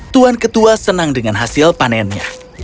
tuan ketua senang dengan hasilnya